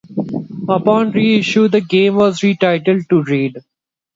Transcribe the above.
Upon reissue the game was retitled to Raid.